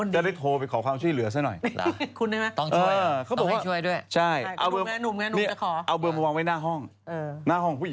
จะได้โทรไปขอความช่วยเหลือซะหน่อย